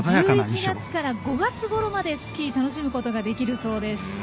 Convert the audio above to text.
１１月から５月ごろまでスキーを楽しむことができるそうです。